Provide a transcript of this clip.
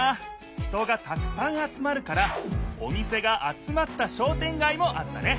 人がたくさん集まるからお店が集まった商店街もあったね。